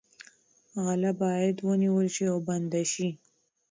غله باید ونیول شي او بندي شي.